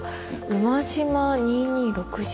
馬島２・２６事件。